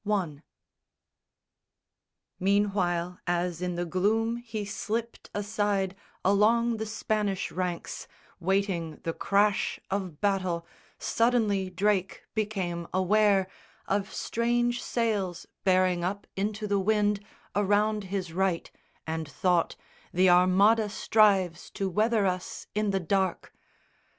BOOK XII Meanwhile, as in the gloom he slipped aside Along the Spanish ranks, waiting the crash Of battle, suddenly Drake became aware Of strange sails bearing up into the wind Around his right, and thought, "the Armada strives To weather us in the dark."